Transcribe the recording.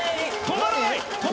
止まらない！